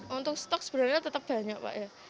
untuk stok sebenarnya tetap banyak pak ya